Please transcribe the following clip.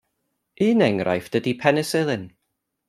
Un enghraifft ydy Penisilin.